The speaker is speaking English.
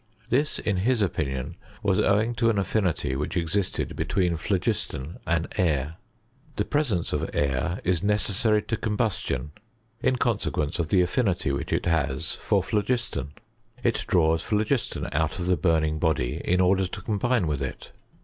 This, in his opinion, was owing to an affinity which existed between phlo giston and air. The presence of air is necessary to combustion, in consequence of the affinity which it has for phlogiston. It draws phlogiston out of the burning body, in order to combine with it.